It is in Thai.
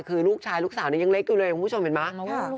คือลูกชายลูกสาวนี้ยังเล็กอยู่เลยคุณผู้ชมเห็นไหม